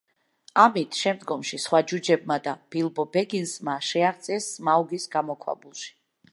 ამით შემდგომში სხვა ჯუჯებმა და ბილბო ბეგინსმა შეაღწიეს სმაუგის გამოქვაბულში.